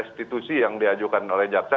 dari restitusi yang diajukan oleh jaksa